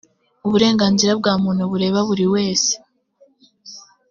uburenganzira bwa muntu bureba buriwese.